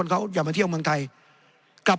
ในทางปฏิบัติมันไม่ได้